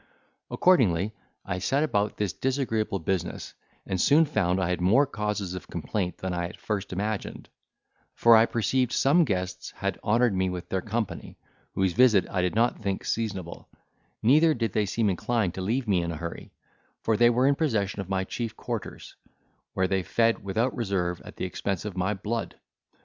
Accordingly, I set about this disagreeable business, and soon found I had more causes of complaint than I at first imagined; for I perceived some guests had honoured me with their company, whose visit I did not think seasonable: neither did they seem inclined to leave me in a hurry, for they were in possession of my chief quarters, where they fed without reserve at the expense of my blood.